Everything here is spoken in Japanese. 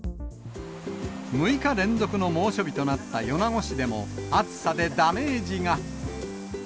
６日連続の猛暑日となった米子市でも、暑さでダメージが。